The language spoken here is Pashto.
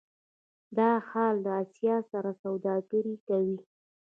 دا ښار له اسیا سره سوداګري کوي.